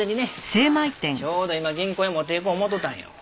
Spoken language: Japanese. ちょうど今銀行へ持って行こう思っとったんよ。